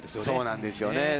そうなんですよね。